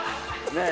ねえ。